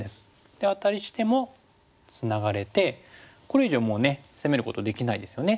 でアタリしてもツナがれてこれ以上もうね攻めることできないですよね。